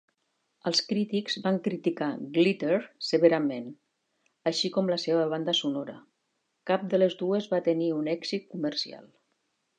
Els crítics van criticar "Glitter" severament, així com la seva banda sonora; cap de les dues va tenir un èxit comercial.